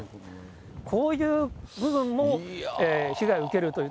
こういう部分も被害を受けるという。